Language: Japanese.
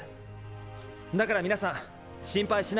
だから皆さん心配しないでください。